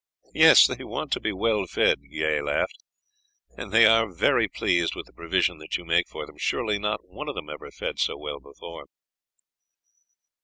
"Yes, they want to be well fed," Guy laughed, "and they are rarely pleased with the provision that you make for them; surely not one of them ever fed so well before."